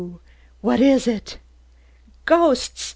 what is it? Ghosts?"